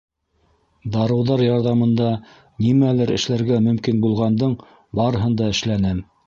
Дарыуҙар ярҙамында нимәлер эшләргә мөмкин булғандың барыһын да эшләнем...